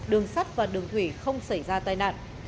đường sắt và đường thủy không xảy ra tai nạn